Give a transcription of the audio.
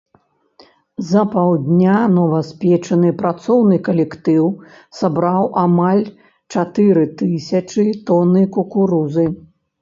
За паўдня новаспечаны працоўны калектыў сабраў амаль чатыры тысячы тоны кукурузы.